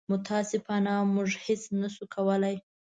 متاسفانه موږ هېڅ نه شو کولی.